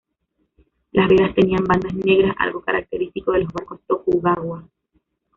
Las velas tenían bandas negras, algo característico de los barcos Tokugawa.